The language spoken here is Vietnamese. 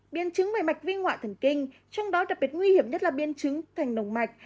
biên chứng về mạch viên ngoại thần kinh trong đó đặc biệt nguy hiểm nhất là biên chứng thành nồng mạch